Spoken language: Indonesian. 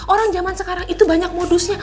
orang zaman sekarang itu banyak modusnya